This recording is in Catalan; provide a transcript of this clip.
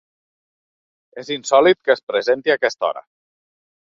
És insòlit que es presenti a aquesta hora.